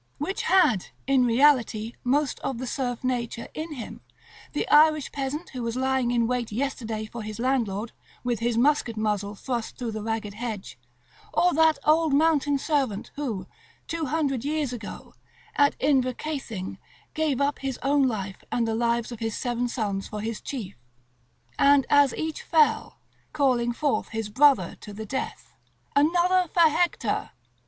Which had, in reality, most of the serf nature in him, the Irish peasant who was lying in wait yesterday for his landlord, with his musket muzzle thrust through the ragged hedge; or that old mountain servant, who, 200 years ago, at Inverkeithing, gave up his own life and the lives of his seven sons for his chief? and as each fell, calling forth his brother to the death, "Another for Hector!"